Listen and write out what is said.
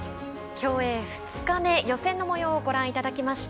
競泳２日目、予選のもようをご覧いただきました。